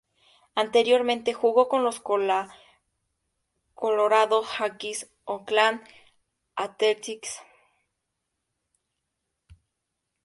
Anteriormente jugó con los Colorado Rockies, Oakland Athletics, St.